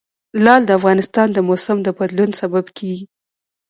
لعل د افغانستان د موسم د بدلون سبب کېږي.